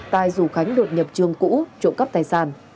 tài rủ khánh đột nhập trường cũ trộm cắp tài sản